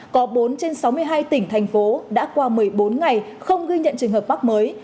có bốn trên sáu mươi hai tỉnh thành phố đã qua một mươi bốn ngày không ghi nhận trường hợp mắc mới